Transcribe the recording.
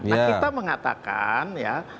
nah kita mengatakan ya